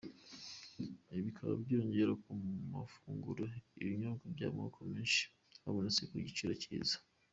Ibi bikaba byiyongera ku mafunguro n’ibinyobwa by’amoko menshi bihaboneka ku giciro cyiza.